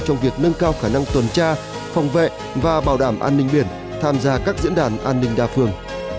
trong việc nâng cao khả năng tuần tra phòng vệ và bảo đảm an ninh biển tham gia các diễn đàn an ninh đa phương